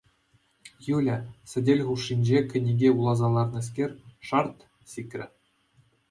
Юля, сӗтел хушшинче кӗнеке вуласа лараканскер, шарт! сикрӗ.